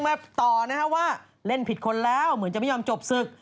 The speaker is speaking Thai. มาต่อนะฮะว่าเล่นผิดคนแล้วเหมือนจะไม่ยอมจบศึก